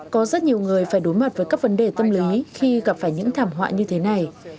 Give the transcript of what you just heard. có rất nhiều người phải đối mặt với các vấn đề tâm lý khi gặp phải những thảm họa như thế này